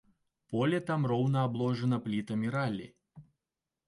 Поле там роўна абложана плітамі раллі.